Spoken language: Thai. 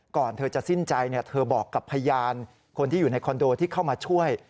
เธอจะสิ้นใจเธอบอกกับพยานคนที่อยู่ในคอนโดที่เข้ามาช่วย